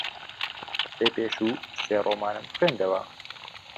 هەفتەی پێشوو سێ ڕۆمانم خوێندەوە.